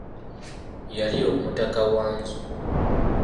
Yali omutaka Wanzu.